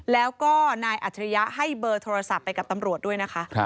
แล้วก็นายอัจฉริยะให้เบอร์โทรศัพท์ไปกับตำรวจด้วยนะคะ